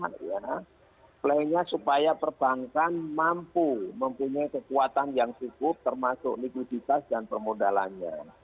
plannya supaya perbankan mampu mempunyai kekuatan yang cukup termasuk likuiditas dan permodalannya